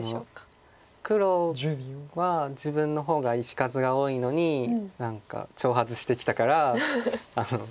黒は自分の方が石数が多いのに何か挑発してきたから。